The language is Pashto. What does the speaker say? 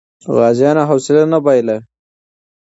غازیانو حوصله نه بایله.